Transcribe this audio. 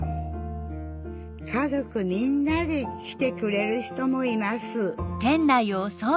家族みんなで来てくれる人もいます